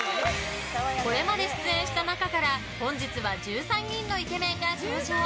これまで出演した中から本日は１３人のイケメンが登場。